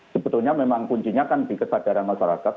sebetulnya memang kuncinya kan di kesadaran masyarakat